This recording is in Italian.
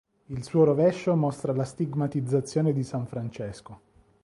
Il suo rovescio mostra la stigmatizzazione di San Francesco.